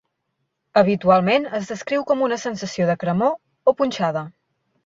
Habitualment es descriu com una sensació de cremor o punxada.